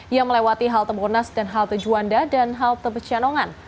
yang melewati halte monas dan halte juanda dan halte pecenongan